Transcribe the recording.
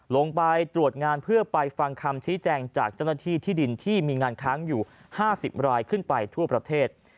ลงไปตรวจงานเพื่อไปฟังคำชี้แจงจากเจ้าหน้าที่ที่ดินที่มีงานค้างอยู่๕๐รายขึ้นไปทั่วประเทศ